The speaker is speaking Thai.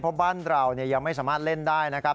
เพราะบ้านเรายังไม่สามารถเล่นได้นะครับ